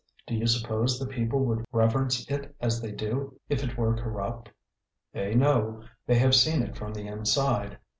Do you suppose the people would reverence it as they do if it were corrupt? They know: they have seen it from the inside.